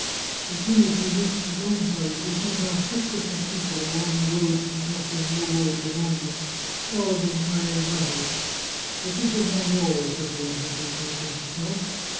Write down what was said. As soon as he reached his own house he sent off six different people along the road from Castelnovo and Bologna, all of them carrying letters. " But this is not all," said the unhappy count to himself.